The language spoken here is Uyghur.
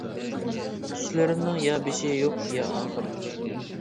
چۈشلىرىمنىڭ يا بېشى يوق يا ئاخىرى.